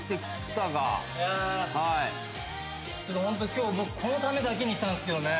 今日僕このためだけに来たんすけどね。